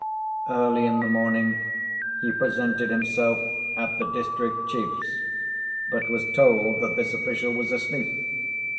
Early in the morning, he presented himself at the district chief's; but was told that this official was asleep.